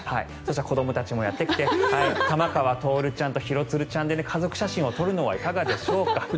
そして、子どもたちもやってきて玉川徹ちゃんと廣津留ちゃんで家族写真を撮るのはいかがでしょうか。